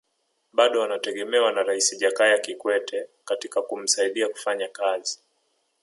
Bado wanategemewa na Rais Jakaya Kikwete katika kumsaidia kufanya kazi